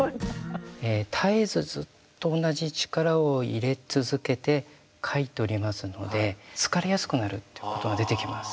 絶えずずっと同じ力を入れ続けて書いておりますので疲れやすくなるっていうことが出てきます。